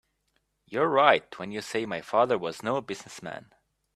You're right when you say my father was no business man.